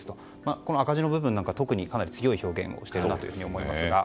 この赤字の部分なんか特に強い表現をしているなと思いますが。